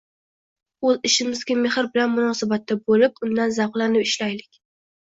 Oʻz ishimizga mehr bilan munosabatda boʻlib, undan zavqlanib ishlaylik.